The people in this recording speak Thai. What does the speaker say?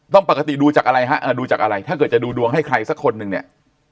ต้องปกติดูจากอะไรถ้าเกิดจะดูดวงให้ใครสักคนหนึ่งเนี่ย